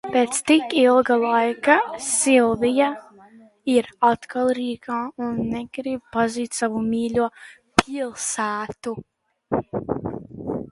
Pēc tik ilga laika Silvija ir atkal Rīgā, un negrib pazīt savu mīļo pilsētu.